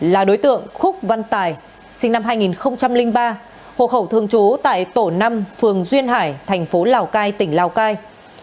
là đối tượng khúc văn tài sinh năm hai nghìn ba hộ khẩu thường trú tại tổ năm phường duyên hải thành phố lào cai tỉnh lào cai